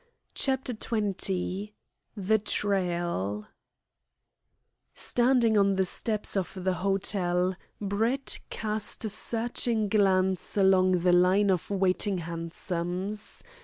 CHAPTER XX THE TRAIL Standing on the steps of the hotel, Brett cast a searching glance along the line of waiting hansoms.